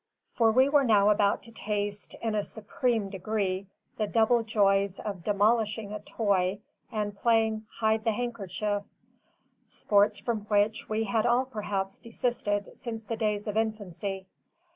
For we were now about to taste, in a supreme degree, the double joys of demolishing a toy and playing "Hide the handkerchief": sports from which we had all perhaps desisted since the days of infancy.